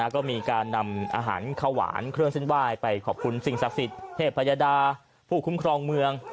ก็มีการนำอาหารข้าวหวานเครื่องเส้นไหว้ไปขอบคุณสิ่งศักดิ์สิทธิ์เทพยดาผู้คุ้มครองเมือง